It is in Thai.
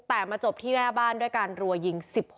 แต่มาจบที่แน่บ้านด้วยการรัวยิง๑๖นัดค่ะ